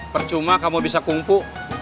percuma kamu bisa kungfu